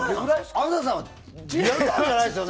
安藤さんはリアルタイムじゃないですよね？